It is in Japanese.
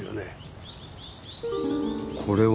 これは？